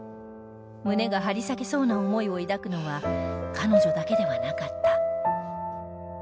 胸が張り裂けそうな思いを抱くのは彼女だけではなかった